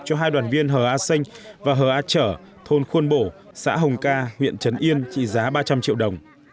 tại thôn khuôn bổ xã hồng ca huyện trần yên trị giá ba trăm linh triệu đồng